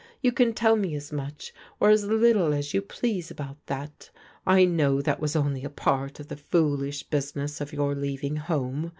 You can tell me as much, or as little as you please about that. I know that was only a part of the foolish busi neSv^ of your leaving home.